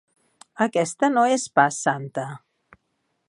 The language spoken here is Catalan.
Aquesta no és pas santa.